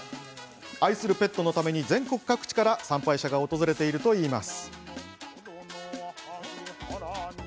愛するペットのために全国各地から参拝者が訪れているといいます。